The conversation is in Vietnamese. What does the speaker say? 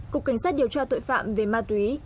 cục cảnh sát điều tra tội phạm về ma túy